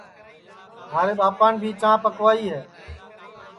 مھارے ٻاپان بھی چاں پکوائی ہے